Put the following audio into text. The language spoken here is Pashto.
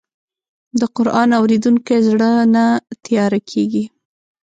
د قرآن اورېدونکی زړه نه تیاره کېږي.